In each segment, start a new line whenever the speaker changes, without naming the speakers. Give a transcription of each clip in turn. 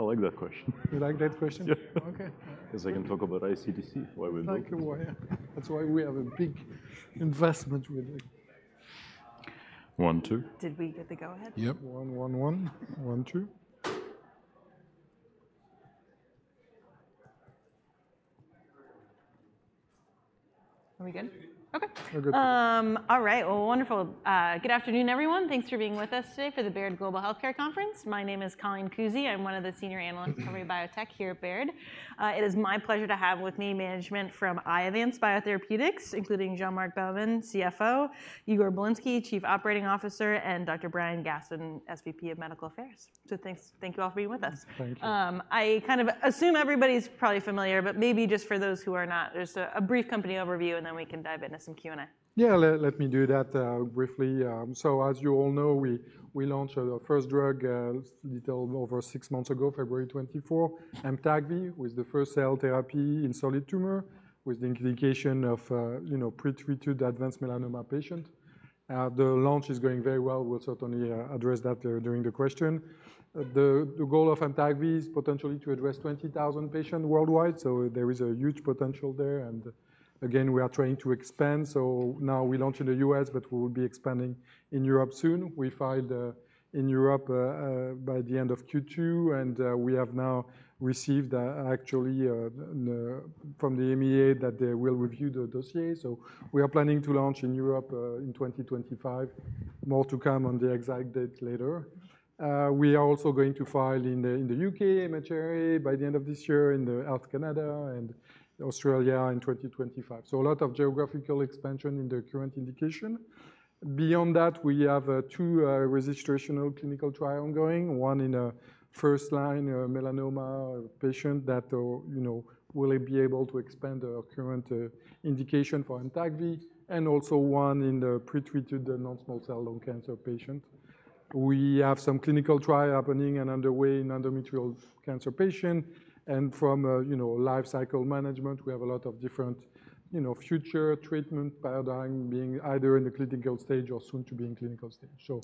I like that question.
You like that question?
Yeah.
Okay.
'Cause I can talk about iCTC, why we're doing.
Okay, why, yeah. That's why we have a big investment with it.
One, two.
Did we get the go-ahead?
Yep.
One, one, one. One, two.
Are we good? Okay.
We're good.
Good afternoon, everyone. Thanks for being with us today for the Baird Global Healthcare Conference. My name is Colleen Kusy. I'm one of the senior analysts covering biotech here at Baird. It is my pleasure to have with me management from Iovance Biotherapeutics, including Jean-Marc Bellemin, CFO, Igor Bilinsky, Chief Operating Officer, and Dr. Brian Gastman, SVP of Medical Affairs. Thank you all for being with us.
Thank you.
I kind of assume everybody's probably familiar, but maybe just for those who are not, just a brief company overview, and then we can dive into some Q&A.
Yeah, let me do that briefly. So as you all know, we launched our first drug little over six months ago, February 2024. AMTAGVI was the first cell therapy in solid tumor with the indication of, you know, pre-treated advanced melanoma patient. The launch is going very well. We'll certainly address that during the question. The goal of AMTAGVI is potentially to address 20,000 patients worldwide, so there is a huge potential there, and again, we are trying to expand. So now we launch in the U.S., but we will be expanding in Europe soon. We filed in Europe by the end of Q2, and we have now received, actually, from the EMA that they will review the dossier. So we are planning to launch in Europe in 2025. More to come on the exact date later. We are also going to file in the U.K., MHRA, by the end of this year, in the Health Canada, and Australia in 2025. So a lot of geographical expansion in the current indication. Beyond that, we have two registrational clinical trial ongoing, one in a first-line melanoma patient that you know will be able to expand our current indication for AMTAGVI, and also one in the pre-treated and non-small cell lung cancer patient. We have some clinical trial happening and underway in endometrial cancer patient, and from a you know life cycle management, we have a lot of different you know future treatment paradigm being either in the clinical stage or soon to be in clinical stage. So.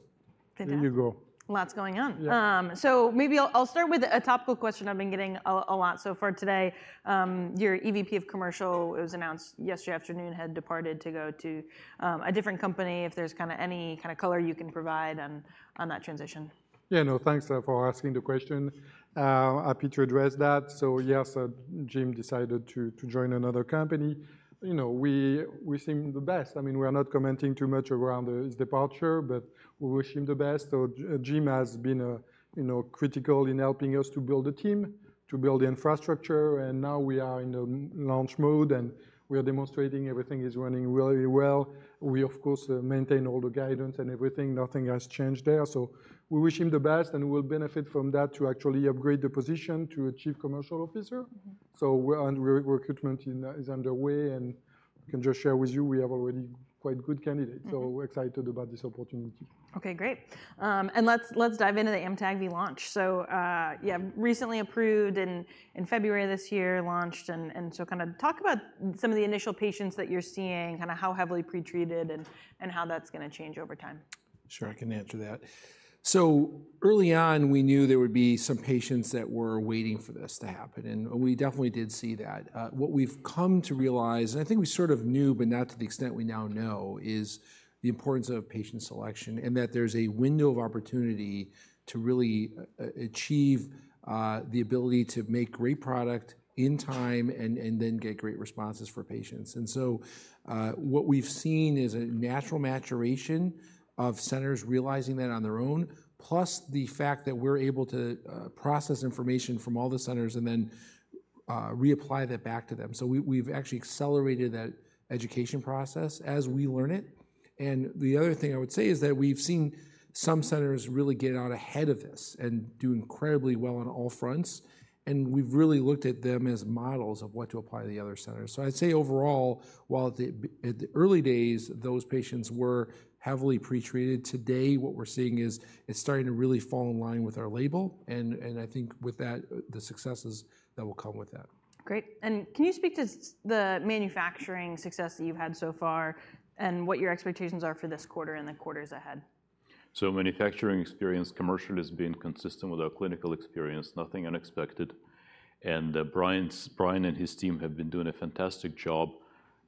Fantastic.
There you go.
Lots going on.
Yeah.
So maybe I'll start with a topical question I've been getting a lot so far today. Your EVP of Commercial, it was announced yesterday afternoon, had departed to go to a different company, if there's kinda any kind of color you can provide on that transition.
Yeah, no. Thanks for asking the question. Happy to address that. So yes, Jim decided to join another company. You know, we wish him the best. I mean, we are not commenting too much around his departure, but we wish him the best. So Jim has been, you know, critical in helping us to build a team, to build the infrastructure, and now we are in the launch mode, and we are demonstrating everything is running really well. We of course maintain all the guidance and everything. Nothing has changed there. So we wish him the best, and we'll benefit from that to actually upgrade the position to a chief commercial officer.
Mm-hmm.
Recruitment in that is underway, and I can just share with you, we have already quite good candidate.
Mm-hmm.
We're excited about this opportunity.
Okay, great. And let's dive into the AMTAGVI launch. So, yeah, recently approved, and in February of this year, launched, and so kinda talk about some of the initial patients that you're seeing, kinda how heavily pretreated and how that's gonna change over time.
Sure, I can answer that. So early on, we knew there would be some patients that were waiting for this to happen, and we definitely did see that. What we've come to realize, and I think we sort of knew, but not to the extent we now know, is the importance of patient selection and that there's a window of opportunity to really achieve the ability to make great product in time and then get great responses for patients. And so, what we've seen is a natural maturation of centers realizing that on their own, plus the fact that we're able to process information from all the centers and then reapply that back to them. So we've actually accelerated that education process as we learn it. And the other thing I would say is that we've seen some centers really get out ahead of this and do incredibly well on all fronts, and we've really looked at them as models of what to apply to the other centers. So I'd say overall, while the early days, those patients were heavily pretreated, today, what we're seeing is it's starting to really fall in line with our label, and I think with that, the successes that will come with that.
Great. And can you speak to the manufacturing success that you've had so far, and what your expectations are for this quarter and the quarters ahead?
So manufacturing experience, commercial has been consistent with our clinical experience, nothing unexpected, and Brian and his team have been doing a fantastic job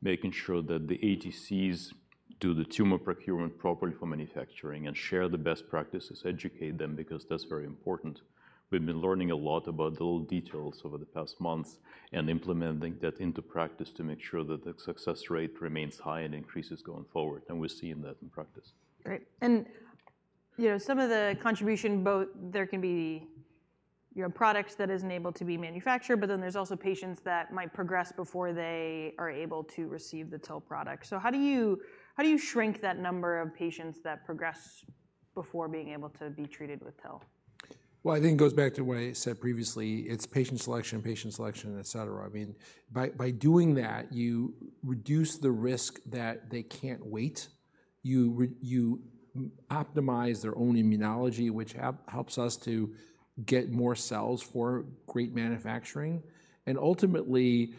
making sure that the ATCs do the tumor procurement properly for manufacturing and share the best practices, educate them, because that's very important. We've been learning a lot about the little details over the past months and implementing that into practice to make sure that the success rate remains high and increases going forward, and we're seeing that in practice.
Great. And, you know, some of the contribution both there can be your product that isn't able to be manufactured, but then there's also patients that might progress before they are able to receive the TIL product. So how do you, how do you shrink that number of patients that progress before being able to be treated with TIL?
I think it goes back to what I said previously. It's patient selection, patient selection, et cetera. I mean, by doing that, you reduce the risk that they can't wait. You optimize their own immunology, which helps us to get more cells for great manufacturing. And ultimately,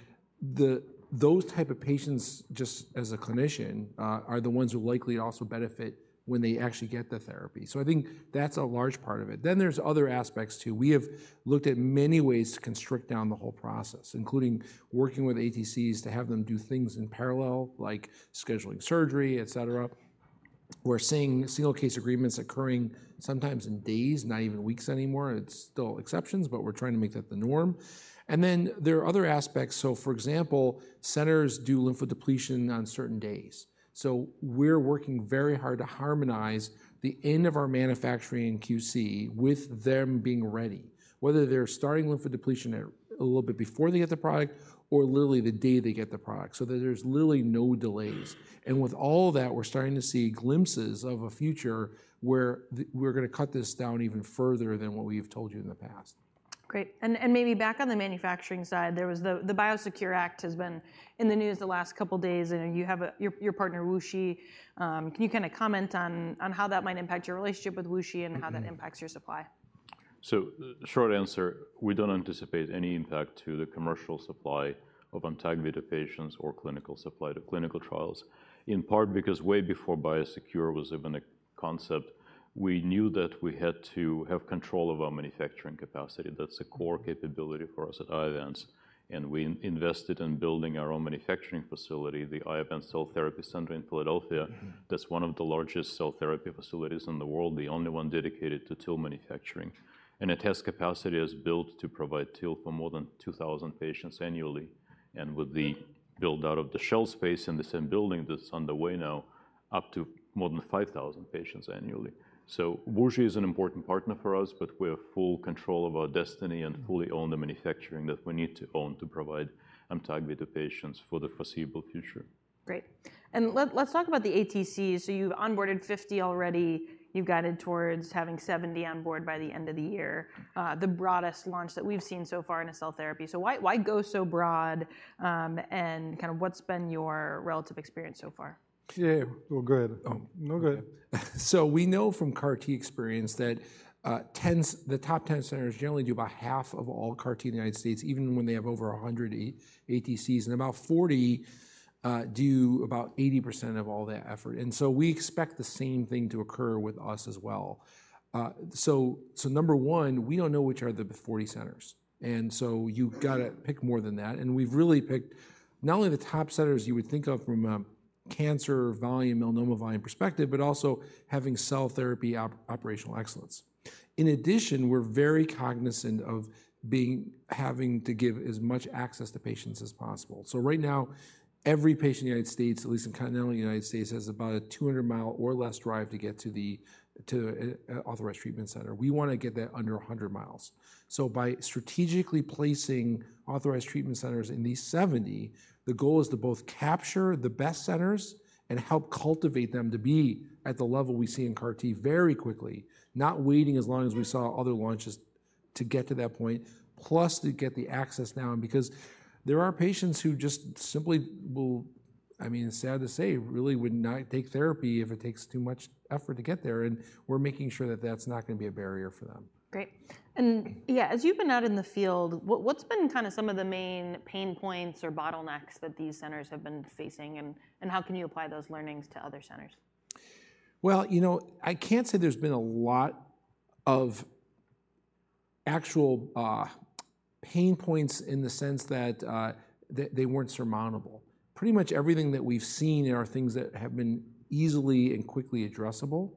those type of patients, just as a clinician, are the ones who likely also benefit when they actually get the therapy. So I think that's a large part of it. Then there's other aspects, too. We have looked at many ways to constrict down the whole process, including working with ATCs to have them do things in parallel, like scheduling surgery, et cetera. We're seeing single case agreements occurring sometimes in days, not even weeks anymore. It's still exceptions, but we're trying to make that the norm. And then there are other aspects. So for example, centers do lymphodepletion on certain days, so we're working very hard to harmonize the end of our manufacturing QC with them being ready, whether they're starting lymphodepletion a little bit before they get the product or literally the day they get the product, so that there's literally no delays, and with all that, we're starting to see glimpses of a future where we're going to cut this down even further than what we've told you in the past.
Great. And maybe back on the manufacturing side, there was the BIOSECURE Act has been in the news the last couple of days, and you have your partner, WuXi. Can you kind of comment on how that might impact your relationship with WuXi?
Mm-hmm.
And how that impacts your supply?
So short answer, we don't anticipate any impact to the commercial supply of AMTAGVI to patients or clinical supply to clinical trials, in part because way before BIOSECURE was even a concept, we knew that we had to have control of our manufacturing capacity. That's a core capability for us at Iovance, and we invested in building our own manufacturing facility, the Iovance Cell Therapy Center in Philadelphia.
Mm.
That's one of the largest cell therapy facilities in the world, the only one dedicated to TIL manufacturing, and it has capacity that's built to provide TIL for more than two thousand patients annually, and with the build-out of the shell space in the same building that's underway now, up to more than five thousand patients annually. WuXi is an important partner for us, but we have full control of our destiny and fully own the manufacturing that we need to own to provide AMTAGVI to patients for the foreseeable future.
Great. And let's talk about the ATCs. So you've onboarded 50 already. You've guided towards having 70 on board by the end of the year, the broadest launch that we've seen so far in a cell therapy. So why, why go so broad? And kind of what's been your relative experience so far?
Yeah, well, go ahead.
Oh, no, go ahead.
So we know from CAR-T experience that the top 10 centers generally do about half of all CAR-T in the United States, even when they have over 100 ATCs, and about 40 do about 80% of all that effort. And so we expect the same thing to occur with us as well. So number one, we don't know which are the 40 centers, and so you've got to pick more than that. And we've really picked not only the top centers you would think of from a cancer volume, melanoma volume perspective, but also having cell therapy operational excellence. In addition, we're very cognizant of being, having to give as much access to patients as possible. Right now, every patient in the United States, at least in continental United States, has about a 200-mile or less drive to get to the authorized treatment center. We want to get that under 100 miles. By strategically placing authorized treatment centers in these 70, the goal is to both capture the best centers and help cultivate them to be at the level we see in CAR-T very quickly, not waiting as long as we saw other launches to get to that point, plus to get the access now, because there are patients who just simply will, I mean, it's sad to say, really would not take therapy if it takes too much effort to get there, and we're making sure that that's not going to be a barrier for them.
Great. Yeah, as you've been out in the field, what, what's been kind of some of the main pain points or bottlenecks that these centers have been facing, and how can you apply those learnings to other centers?
Well, you know, I can't say there's been a lot of actual pain points in the sense that they weren't surmountable. Pretty much everything that we've seen are things that have been easily and quickly addressable.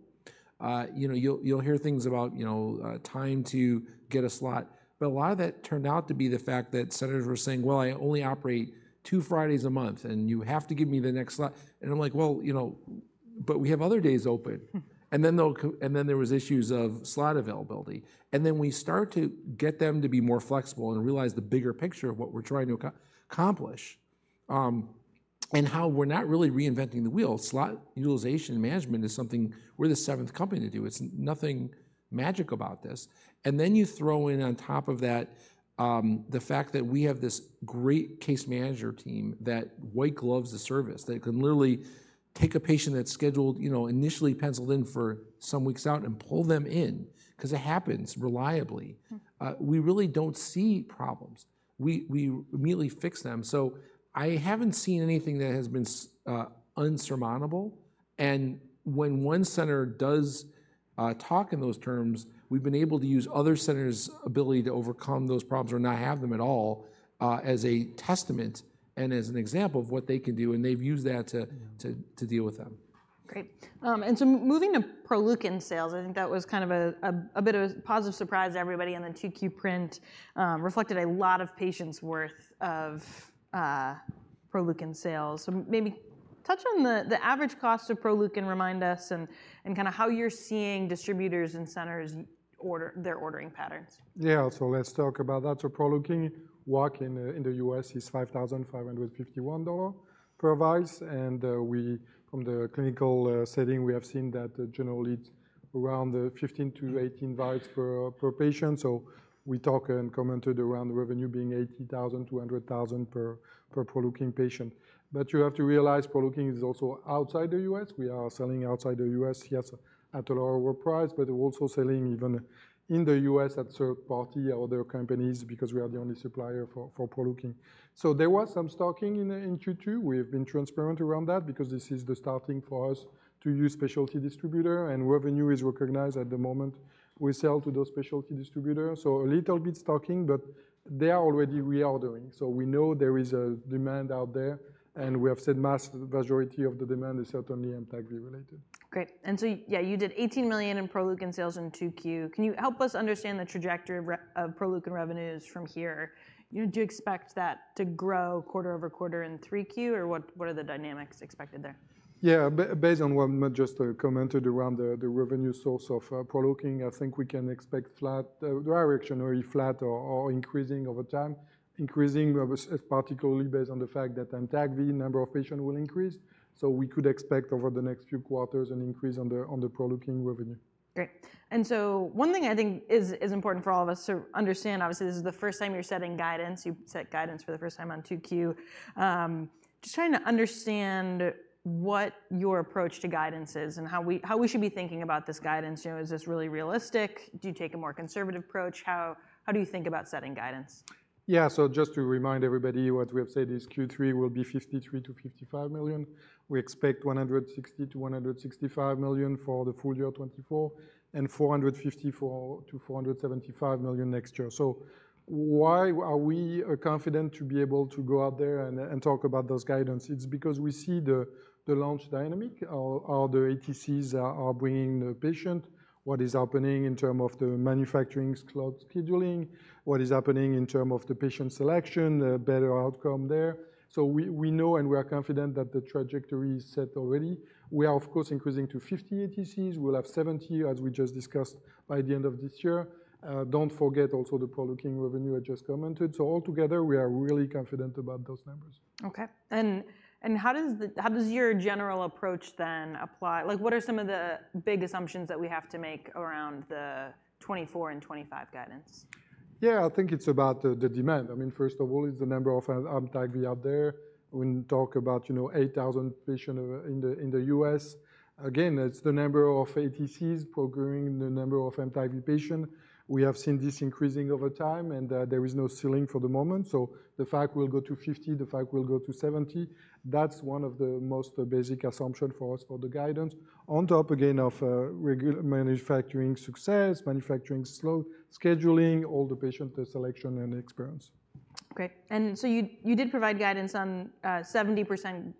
You know, you'll hear things about time to get a slot, but a lot of that turned out to be the fact that centers were saying: "Well, I only operate two Fridays a month, and you have to give me the next slot." And I'm like, "Well, you know, but we have other days open." And then there was issues of slot availability, and then we start to get them to be more flexible and realize the bigger picture of what we're trying to accomplish, and how we're not really reinventing the wheel. Slot utilization management is something we're the seventh company to do. There's nothing magic about this. And then you throw in on top of that, the fact that we have this great case manager team that white gloves the service, that can literally take a patient that's scheduled, you know, initially penciled in for some weeks out and pull them in, 'cause it happens reliably.
Mm.
We really don't see problems. We immediately fix them. I haven't seen anything that has been unsurmountable, and when one center does talk in those terms, we've been able to use other centers' ability to overcome those problems or not have them at all as a testament and as an example of what they can do, and they've used that to-
Yeah
To deal with them.
Great. And so moving to Proleukin sales, I think that was kind of a bit of a positive surprise to everybody, and the 2Q print reflected a lot of patients' worth of Proleukin sales. So maybe touch on the average cost of Proleukin, remind us and kind of how you're seeing distributors and centers order, their ordering patterns.
Yeah, so let's talk about that. So Proleukin WAC in the U.S. is $5,551 per vial, and we from the clinical setting, we have seen that generally it's around 15-18 vials per patient. So we talk and commented around the revenue being $80,000-$100,000 per Proleukin patient. But you have to realize Proleukin is also outside the U.S. We are selling outside the U.S., yes, at a lower price, but we're also selling even in the U.S. at third party or other companies because we are the only supplier for Proleukin. So there was some stocking in Q2. We have been transparent around that because this is the starting for us to use specialty distributor and revenue is recognized at the moment. We sell to those specialty distributors, so a little bit stocking, but they are already reordering. So we know there is a demand out there, and we have said majority of the demand is certainly AMTAGVI related.
Great. And so, yeah, you did $18 million in Proleukin sales in 2Q. Can you help us understand the trajectory of Proleukin revenues from here? Do you expect that to grow quarter-over-quarter in 3Q, or what, what are the dynamics expected there?
Yeah. Based on what I just commented around the, the revenue source of Proleukin, I think we can expect flat, directionally flat or increasing over time. Increasing is particularly based on the fact that AMTAGVI number of patient will increase, so we could expect over the next few quarters an increase on the Proleukin revenue.
Great. And so one thing I think is important for all of us to understand, obviously, this is the first time you're setting guidance. You've set guidance for the first time on 2Q. Just trying to understand what your approach to guidance is and how we should be thinking about this guidance. You know, is this really realistic? Do you take a more conservative approach? How do you think about setting guidance?
Yeah, so just to remind everybody, what we have said is Q3 will be $53 million-$55 million. We expect $160 million-$165 million for the full year 2024, and $454 million-$475 million next year. So why are we confident to be able to go out there and talk about those guidance? It's because we see the launch dynamic, how the ATCs are bringing the patient, what is happening in terms of the manufacturing slot scheduling, what is happening in terms of the patient selection, better outcome there. So we know and we are confident that the trajectory is set already. We are, of course, increasing to 50 ATCs. We'll have 70, as we just discussed, by the end of this year. Don't forget also the Proleukin revenue I just commented. So altogether, we are really confident about those numbers.
Okay. And how does your general approach then apply? Like, what are some of the big assumptions that we have to make around the 2024 and 2025 guidance?
Yeah, I think it's about the demand. I mean, first of all, it's the number of AMTAGVI out there. We talk about, you know, 8,000 patients in the U.S. Again, it's the number of ATCs progressing, the number of AMTAGVI patients. We have seen this increasing over time, and there is no ceiling for the moment. So the fact we'll go to 50, the fact we'll go to 70, that's one of the most basic assumption for us for the guidance. On top, again, of manufacturing success, manufacturing slow scheduling, all the patient selection and experience.
Great. And so you did provide guidance on 70%+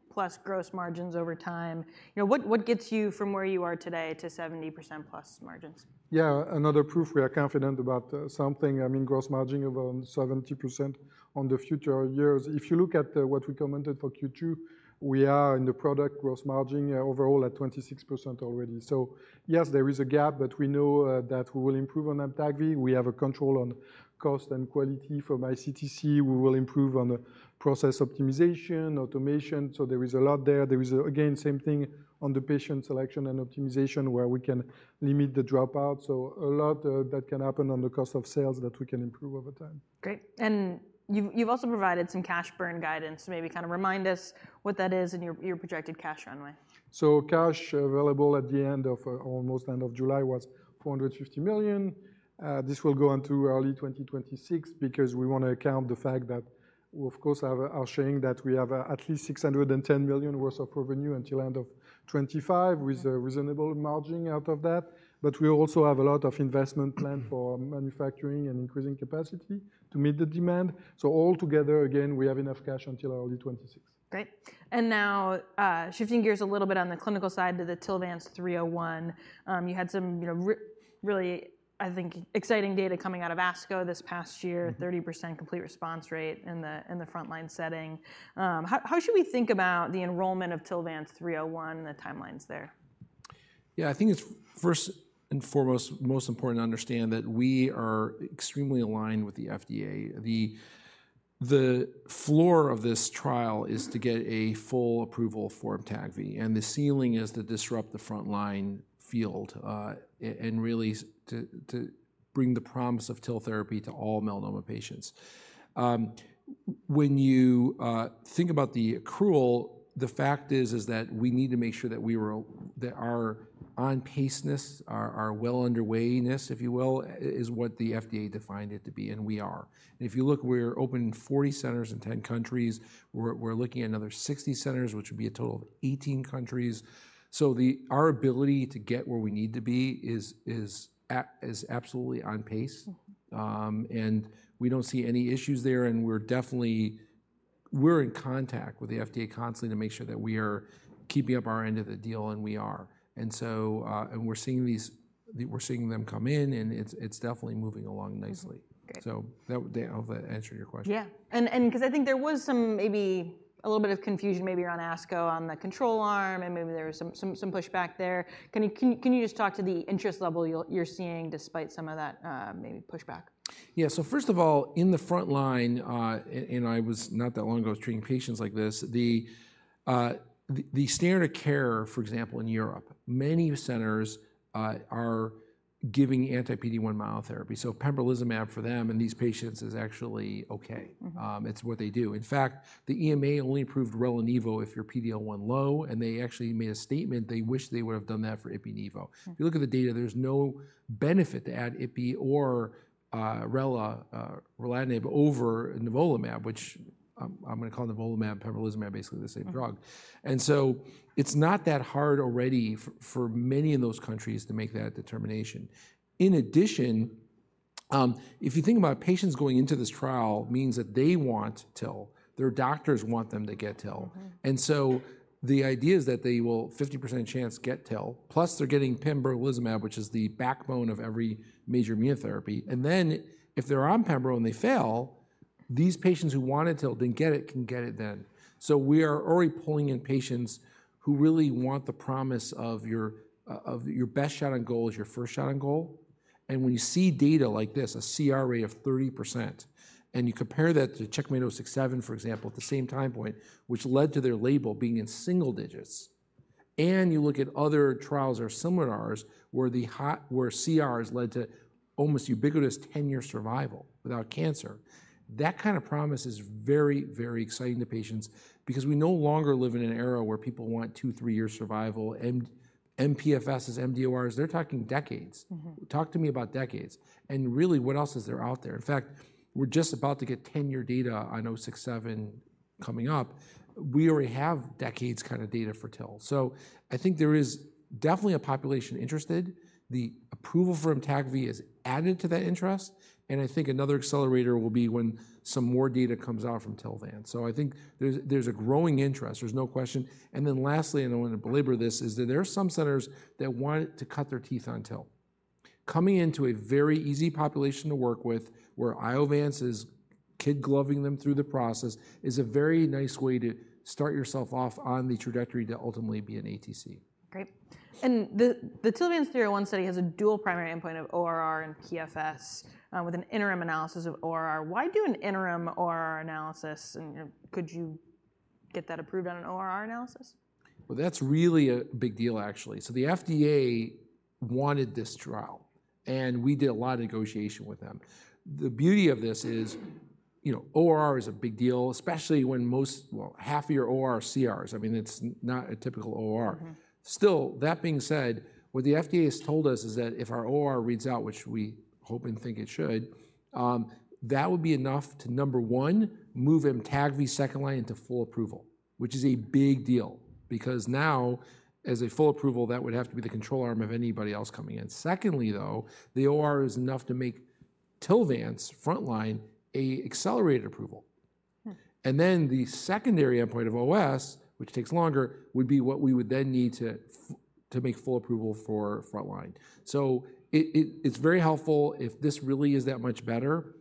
gross margins over time. You know, what gets you from where you are today to 70%+ margins?
Yeah, another proof we are confident about something. I mean, gross margin of around 70% on the future years. If you look at what we commented for Q2, we are in the product gross margin overall at 26% already. So yes, there is a gap, but we know that we will improve on AMTAGVI. We have a control on cost and quality from iCTC. We will improve on the process optimization, automation, so there is a lot there. There is, again, same thing on the patient selection and optimization, where we can limit the dropout. So a lot that can happen on the cost of sales that we can improve over time.
Great. And you've also provided some cash burn guidance. So maybe kind of remind us what that is and your projected cash runway.
So cash available at the end of almost end of July was $450 million. This will go on to early 2026, because we want to account the fact that we, of course, are showing that we have at least $610 million worth of revenue until end of 2025-
Mm-hmm
With a reasonable margin out of that. But we also have a lot of investment plan for manufacturing and increasing capacity to meet the demand. So altogether, again, we have enough cash until early 2026.
Great. And now, shifting gears a little bit on the clinical side to the TILVANCE-301. You had some, you know, really, I think, exciting data coming out of ASCO this past year.
Mm-hmm
30% complete response rate in the frontline setting. How should we think about the enrollment of TILVANCE-301 and the timelines there?
Yeah, I think it's first and foremost, most important to understand that we are extremely aligned with the FDA. The floor of this trial is to get a full approval for AMTAGVI, and the ceiling is to disrupt the front line field, and really to bring the promise of TIL therapy to all melanoma patients. When you think about the accrual, the fact is that we need to make sure that our on pace-ness, our well underway-ness, if you will, is what the FDA defined it to be, and we are. And if you look, we're open in 40 centers in 10 countries. We're looking at another 60 centers, which would be a total of 18 countries. So our ability to get where we need to be is absolutely on pace. We don't see any issues there, and we're definitely in contact with the FDA constantly to make sure that we are keeping up our end of the deal, and we are. We're seeing them come in, and it's definitely moving along nicely.
Mm-hmm. Great.
So that, I hope that answered your question.
Yeah. And 'cause I think there was some maybe a little bit of confusion maybe around ASCO on the control arm, and maybe there was some pushback there. Can you just talk to the interest level you're seeing despite some of that maybe pushback?
Yeah. So first of all, in the front line, and I was not that long ago I was treating patients like this, the standard of care, for example, in Europe, many centers are giving anti-PD-1 monotherapy. So pembrolizumab for them and these patients is actually okay.
Mm-hmm.
It's what they do. In fact, the EMA only approved Rela+Nivo if you're PD-L1 low, and they actually made a statement they wish they would have done that for Ipi+Nivo.
Mm-hmm.
If you look at the data, there's no benefit to add Ipi or Rela, relatlimab over nivolumab, which I'm going to call nivolumab, pembrolizumab, basically the same drug.
Mm-hmm.
And so it's not that hard already for many in those countries to make that determination. In addition, if you think about patients going into this trial, means that they want TIL, their doctors want them to get TIL.
Mm-hmm.
The idea is that they will, 50% chance, get TIL, plus they're getting pembrolizumab, which is the backbone of every major immunotherapy. Then, if they're on pembro and they fail, these patients who wanted TIL, didn't get it, can get it then. We are already pulling in patients who really want the promise of your best shot on goal is your first shot on goal. When you see data like this, a CR of 30%, and you compare that to CheckMate-067, for example, at the same time point, which led to their label being in single digits. You look at other trials that are similar to ours, where CRs led to almost ubiquitous ten-year survival without cancer. That kind of promise is very, very exciting to patients because we no longer live in an era where people want two, three-year survival, and mPFSs, mDORs, they're talking decades.
Mm-hmm.
Talk to me about decades, and really, what else is there out there? In fact, we're just about to get ten-year data on CheckMate-067 coming up. We already have decades kind of data for TIL. So I think there is definitely a population interested. The approval for AMTAGVI is added to that interest, and I think another accelerator will be when some more data comes out from TILVANCE-301. So I think there's a growing interest, there's no question. And then lastly, and I don't want to belabor this, is that there are some centers that want to cut their teeth on TIL. Coming into a very easy population to work with, where Iovance is kid gloving them through the process, is a very nice way to start yourself off on the trajectory to ultimately be an ATC.
Great. And the TILVANCE-301 study has a dual primary endpoint of ORR and PFS with an interim analysis of ORR. Why do an interim ORR analysis, and could you get that approved on an ORR analysis?
That's really a big deal, actually. The FDA wanted this trial, and we did a lot of negotiation with them. The beauty of this is, you know, ORR is a big deal, especially when most... half of your ORR are CRs. I mean, it's not a typical ORR.
Mm-hmm.
Still, that being said, what the FDA has told us is that if our ORR reads out, which we hope and think it should, that would be enough to, number one, move AMTAGVI second-line into full approval, which is a big deal, because now, as a full approval, that would have to be the control arm of anybody else coming in. Secondly, though, the ORR is enough to make TILVANCE-301's frontline an accelerated approval.
Hmm.
And then the secondary endpoint of OS, which takes longer, would be what we would then need to make full approval for frontline. So it's very helpful if this really is that much better.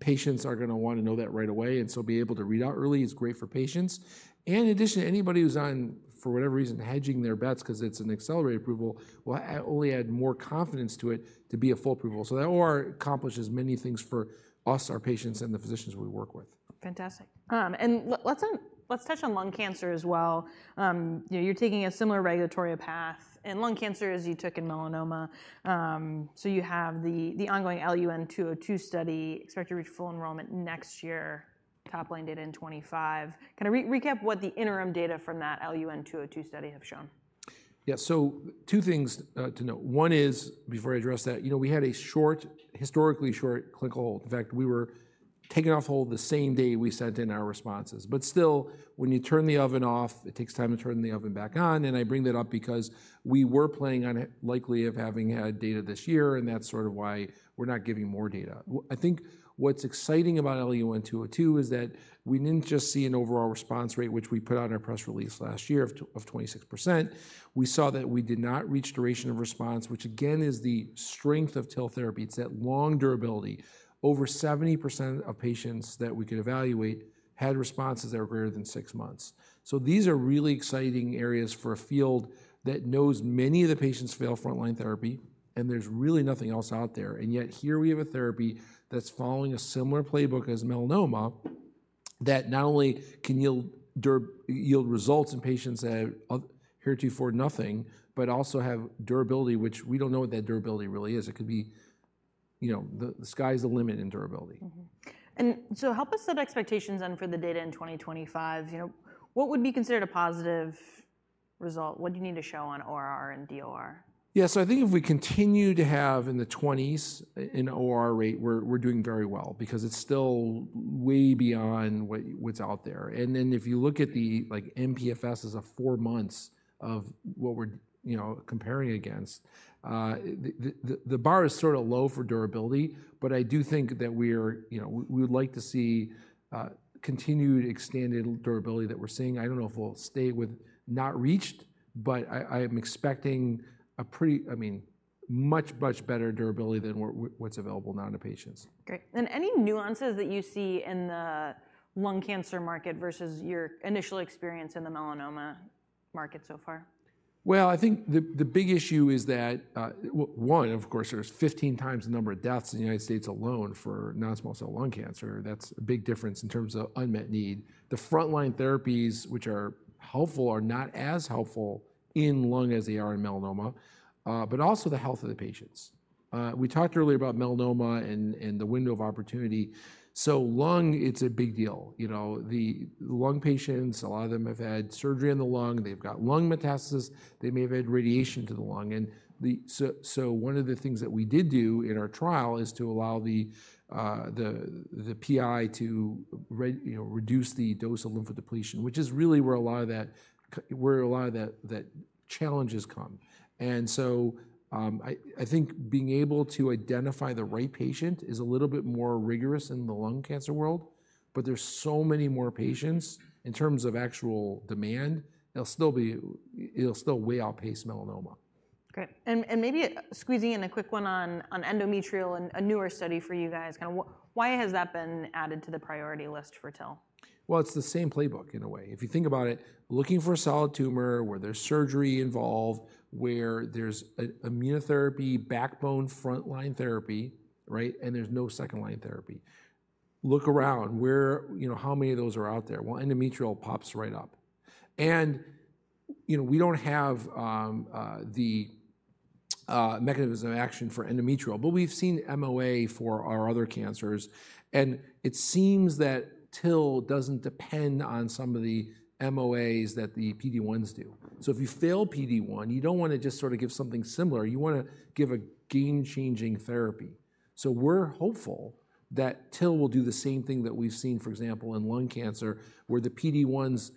Patients are going to want to know that right away, and so be able to read out early is great for patients. And in addition, anybody who's on, for whatever reason, hedging their bets because it's an accelerated approval, will only add more confidence to it to be a full approval. So that ORR accomplishes many things for us, our patients, and the physicians we work with.
Fantastic. Let's touch on lung cancer as well. You know, you're taking a similar regulatory path in lung cancer as you took in melanoma. So you have the ongoing LUN-202 study, expect to reach full enrollment next year, top line data in 2025. Kind of recap what the interim data from that LUN-202 study have shown.
Yeah, so two things to note. One is, before I address that, you know, we had a short, historically short clinical hold. In fact, we were taken off hold the same day we sent in our responses. But still, when you turn the oven off, it takes time to turn the oven back on. And I bring that up because we were planning on it likely of having had data this year, and that's sort of why we're not giving more data. I think what's exciting about LUN-202 is that we didn't just see an overall response rate, which we put out in our press release last year of 26%. We saw that we did not reach duration of response, which again, is the strength of TIL therapy. It's that long durability. Over 70% of patients that we could evaluate had responses that were greater than six months. So these are really exciting areas for a field that knows many of the patients fail frontline therapy, and there's really nothing else out there. And yet here we have a therapy that's following a similar playbook as melanoma, that not only can yield results in patients that have heretofore nothing, but also have durability, which we don't know what that durability really is. It could be, you know, the sky's the limit in durability.
Mm-hmm. And so help us set expectations then for the data in 2025. You know, what would be considered a positive result? What do you need to show on ORR and DOR?
Yeah, so I think if we continue to have in the twenties in ORR rate, we're doing very well because it's still way beyond what's out there. And then if you look at the, like, mPFS is four months of what we're, you know, comparing against. The bar is sort of low for durability, but I do think that we're, you know, we would like to see continued extended durability that we're seeing. I don't know if we'll stay with not reached, but I am expecting a pretty, I mean... much, much better durability than what's available now to patients.
Great. And any nuances that you see in the lung cancer market versus your initial experience in the melanoma market so far?
I think the big issue is that one, of course, there's 15 times the number of deaths in the United States alone for non-small cell lung cancer. That's a big difference in terms of unmet need. The frontline therapies, which are helpful, are not as helpful in lung as they are in melanoma, but also the health of the patients. We talked earlier about melanoma and the window of opportunity. So lung, it's a big deal. You know, the lung patients, a lot of them have had surgery in the lung, they've got lung metastasis, they may have had radiation to the lung. One of the things that we did do in our trial is to allow the PI to, you know, reduce the dose of lymphodepletion, which is really where a lot of that challenges come. I think being able to identify the right patient is a little bit more rigorous in the lung cancer world, but there's so many more patients in terms of actual demand, it'll still way outpace melanoma.
Great. And maybe squeezing in a quick one on endometrial and a newer study for you guys. Kinda why has that been added to the priority list for TIL?
Well, it's the same playbook in a way. If you think about it, looking for a solid tumor where there's surgery involved, where there's immunotherapy, backbone frontline therapy, right? And there's no second-line therapy. Look around, where you know, how many of those are out there? Well, endometrial pops right up. And, you know, we don't have the mechanism of action for endometrial, but we've seen MOA for our other cancers, and it seems that TIL doesn't depend on some of the MOAs that the PD-1s do. So if you fail PD-1, you don't wanna just sort of give something similar, you wanna give a game-changing therapy. So we're hopeful that TIL will do the same thing that we've seen, for example, in lung cancer, where the PD-1s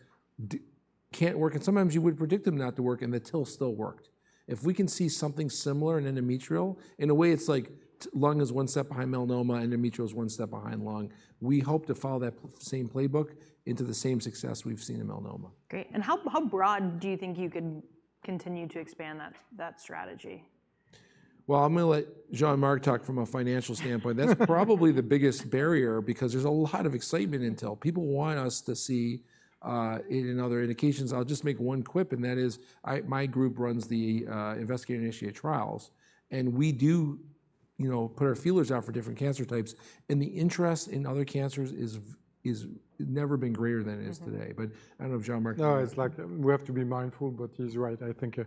can't work, and sometimes you would predict them not to work, and the TIL still worked. If we can see something similar in endometrial, in a way, it's like the lung is one step behind melanoma, endometrial is one step behind lung. We hope to follow that same playbook into the same success we've seen in melanoma.
Great. How broad do you think you can continue to expand that strategy?
I'm gonna let Jean-Marc talk from a financial standpoint. That's probably the biggest barrier because there's a lot of excitement in TIL. People want us to see in other indications. I'll just make one quip, and that is, my group runs the investigator-initiated trials, and we do, you know, put our feelers out for different cancer types, and the interest in other cancers has never been greater than it is today.
Mm-hmm.
But I don't know if Jean-Marc-
No, it's like we have to be mindful, but he's right. I think,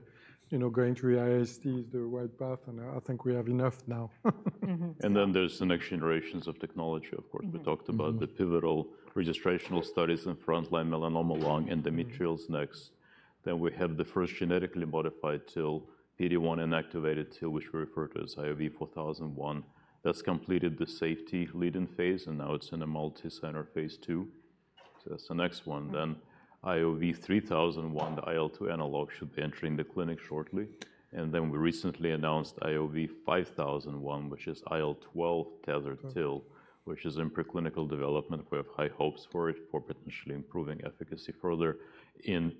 you know, going through IST is the right path, and I think we have enough now.
Mm-hmm.
And then there's the next generations of technology, of course.
Mm-hmm.
We talked about the pivotal registrational studies in frontline melanoma, lung, endometrial is next. Then we have the first genetically modified TIL, PD-1 inactivated TIL, which we refer to as IOV-4001. That's completed the safety lead-in phase, and now it's in a multicenter phase II. So that's the next one. Then IOV-3001, the IL-2 analog, should be entering the clinic shortly. And then we recently announced IOV-5001, which is IL-12 tethered TIL.
Mm
Which is in preclinical development. We have high hopes for it, for potentially improving efficacy further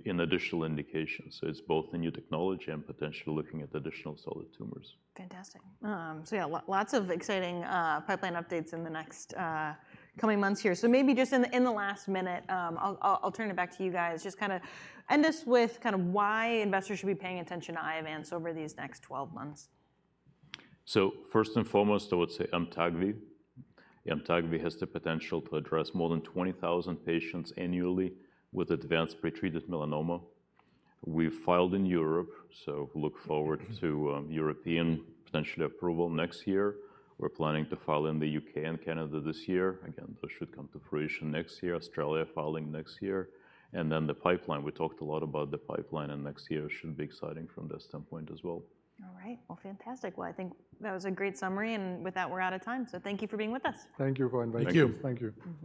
in additional indications. So it's both a new technology and potentially looking at additional solid tumors.
Fantastic. So yeah, lots of exciting pipeline updates in the next coming months here. So maybe just in the last minute, I'll turn it back to you guys. Just kinda end us with kind of why investors should be paying attention to Iovance over these next twelve months.
So first and foremost, I would say AMTAGVI. AMTAGVI has the potential to address more than 20,000 patients annually with advanced pretreated melanoma. We've filed in Europe, so look forward to European potential approval next year. We're planning to file in the U.K. and Canada this year. Again, this should come to fruition next year. Australia, filing next year. And then the pipeline, we talked a lot about the pipeline, and next year should be exciting from this standpoint as well.
All right. Well, fantastic. Well, I think that was a great summary, and with that, we're out of time. So thank you for being with us.
Thank you for inviting us.
Thank you.
Thank you.